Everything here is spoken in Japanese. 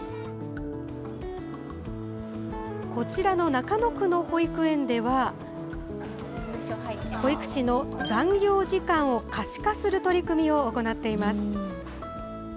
こちらの中野区の保育園では、保育士の残業時間を可視化する取り組みを行っています。